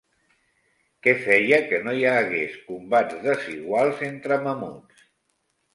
Què feia que no hi hagués combats desiguals entre mamuts?